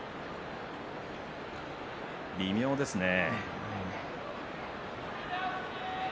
微妙ですね。